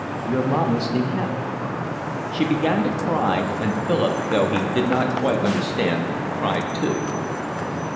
"Your mamma's in heaven." She began to cry, and Philip, though he did not quite understand, cried too.